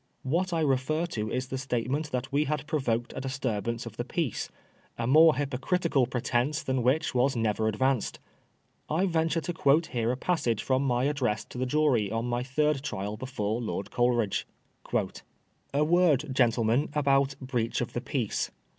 What I refer to is the statement that we had provoked a disturbance of the peace ; a more hypocritical pretence than which was never advanced. I venture to quote here a passage from my address to the jury on my third trial before Lord Coleridge :—A word, gentlemen, about breach of the peace.